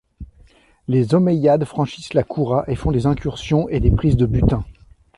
Les Omeyyades franchissent la Koura et font des incursions et des prises de butin.